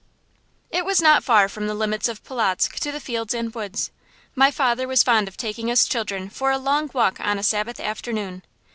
It was not far from the limits of Polotzk to the fields and woods. My father was fond of taking us children for a long walk on a Sabbath afternoon.